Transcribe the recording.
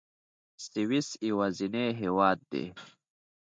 سویس یوازینی هېواد دی.